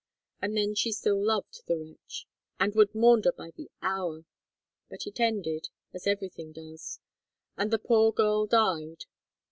And then she still loved the wretch, and would maunder by the hour. But it ended, as everything does; and the poor girl died.